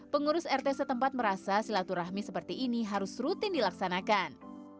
pengurus rt setempat merasa silaturahmi seperti ini harus rutin dilaksanakan